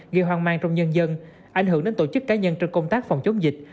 gây hoang mang trong nhân dân ảnh hưởng đến tổ chức cá nhân trong công tác phòng chống dịch